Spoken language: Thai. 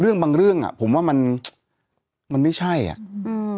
บางเรื่องอ่ะผมว่ามันมันไม่ใช่อ่ะอืม